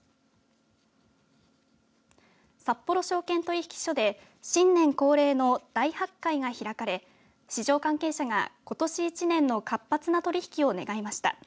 札幌証券取引所で新年恒例の大発会が開かれ市場関係者が、ことし一年の活発な取り引きを願いました。